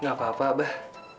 nggak apa apa abah